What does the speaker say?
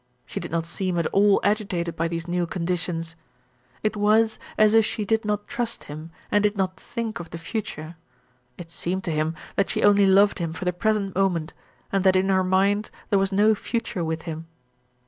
She did not seem at all agitated by these new conditions. It was as if she did not trust him and did not think of the future. It seemed to him that she only loved him for the present moment, and that in her mind there was no future with him.